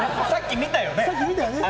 さっき見たよね？